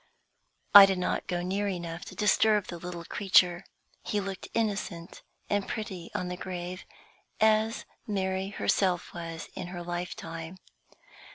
I did not go near enough to disturb the little creature. He looked innocent and pretty on the grave, as Mary herself was in her lifetime.